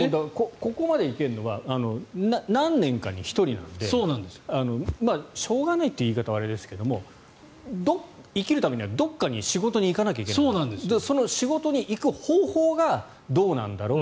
ここまで行けるのは何年かに１人なのでしょうがないという言い方はあれですけど生きるためにはどこかに仕事に行かないといけないその仕事に行く方法がどうなんだろう。